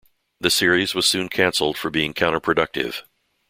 The series was soon cancelled for being counter productive.